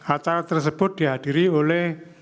acara tersebut dihadiri oleh